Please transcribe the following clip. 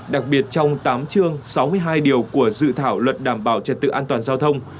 đặc biệt trong tám chương sáu mươi hai điều của dự thảo luật đảm bảo trật tự an toàn giao thông